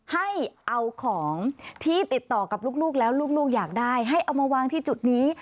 ให้เอาของที่ติดต่อกับลูกแล้วลูกอยากได้ให้เอามาวางที่จุดนี้